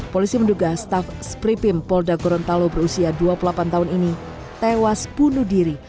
polisi menduga staff spripim polda gorontalo berusia dua puluh delapan tahun ini tewas bunuh diri